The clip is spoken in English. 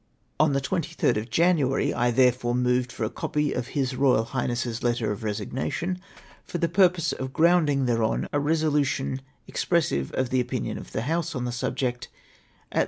On the 23rd of January, I therefore moved for a copy of His Royal Highness's letter of resignation, for the purpose of grounding thereon a resolution expres sive of the opinion of the House on the subject, at the SIXECURES.